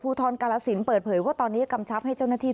ทรกาลสินเปิดเผยว่าตอนนี้กำชับให้เจ้าหน้าที่